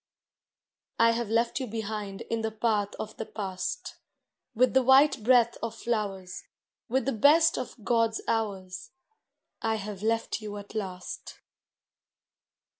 I have left you behind In the path of the past, With the white breath of flowers. With the best of God's hours, I have left you at last.